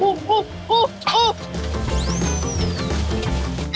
อุ๊บอุ๊บอุ๊บอุ๊บ